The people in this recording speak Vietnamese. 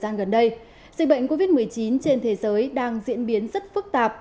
gian gần đây dịch bệnh covid một mươi chín trên thế giới đang diễn biến rất phức tạp